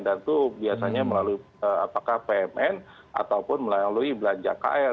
dan itu biasanya melalui apakah pmn ataupun melalui belanja kl